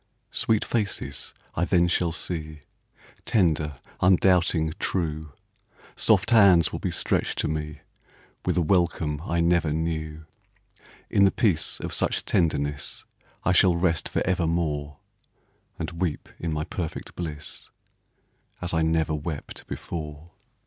Sweet faces I then shall see, Tender, undoubting, true, Soft hands will be stretched to me With a welcome I never knew; In the peace of such tenderness I shall rest forevermore, And weep in my perfect bliss, As I never wept before.